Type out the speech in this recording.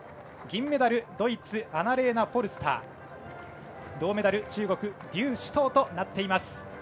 銀メダル、ドイツアナレーナ・フォルスター銅メダル、中国の劉思とうとなっています。